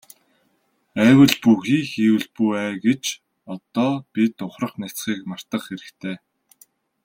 АЙвал бүү хий, хийвэл бүү ай гэж одоо бид ухрах няцахыг мартах хэрэгтэй.